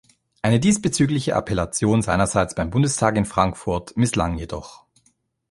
Eine diesbezügliche Appellation seinerseits beim Bundestag in Frankfurt misslang jedoch.